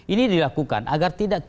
ini dilakukan agar tidak